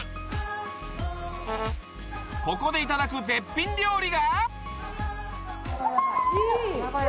ここでいただく絶品料理がわあ！